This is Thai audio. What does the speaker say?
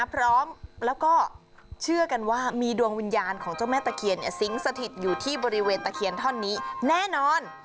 พร้อมแล้วก็เชื่อกันว่ามีดวงวิญญาณของเจ้าแม่ตะเคียนสิงสถิตอยู่ที่บริเวณตะเคียนท่อนนี้แน่นอน